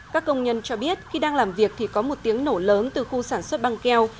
các công nhân cho biết khi đang làm việc thì có một tiếng nổ lớn từ khu sản xuất băng keo